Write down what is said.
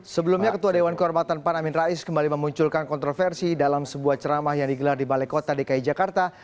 sebelumnya ketua dewan kehormatan pan amin rais kembali memunculkan kontroversi dalam sebuah ceramah yang digelar di balai kota dki jakarta